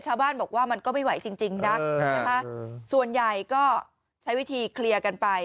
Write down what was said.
ชาวบ้านบอกว่ามันก็ไม่ไหวจริงนะส่วนใหญ่ก็ใช้วิธีเคลียร์กันไป